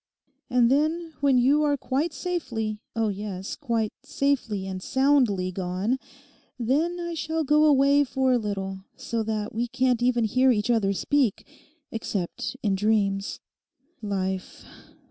And then, when you are quite safely, oh yes, quite safely and soundly gone, then I shall go away for a little, so that we can't even hear each other speak, except in dreams. Life!